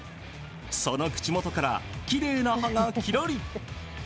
その口元からきれいな歯がきらり。